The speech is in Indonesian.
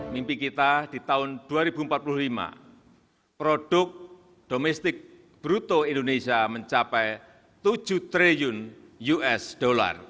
mimpi kita di tahun dua ribu empat puluh lima produk domestik bruto indonesia mencapai tujuh triliun usd